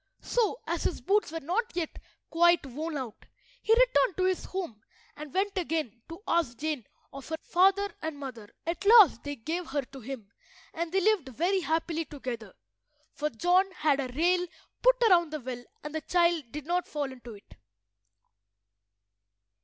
So, as his boots were not yet quite worn out, he returned to his home and went again to ask Jane of her father and mother. At last they gave her to him, and they lived very happily together, for John had a rail put round the well and the child did not fall into it.